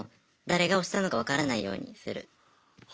誰が押したのか分からないようにする。